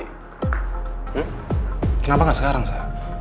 hmm kenapa gak sekarang sa